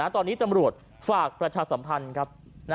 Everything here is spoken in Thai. ตอนนี้ตำรวจฝากประชาสัมพันธ์ครับ